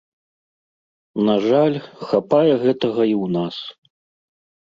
На жаль, хапае гэтага і ў нас.